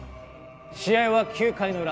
試合は９回のウラ。